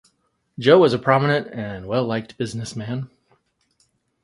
Joe was a prominent and well-liked businessman.